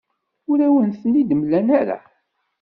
Ur awen-ten-id-mlan ara.